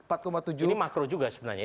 ini makro juga sebenarnya